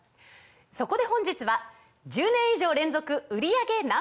そこで本日は１０年以上連続売り上げＮｏ．１